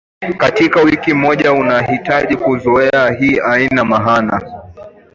katika wiki moja Unahitaji kuzoea hii haina maana